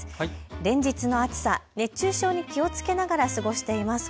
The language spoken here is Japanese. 連日の暑さ、熱中症に気をつけながら過ごしています。